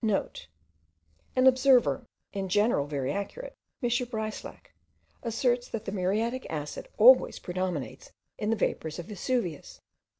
(* An observer, in general very accurate, M. Breislack, asserts that the muriatic acid always predominates in the vapours of Vesuvius.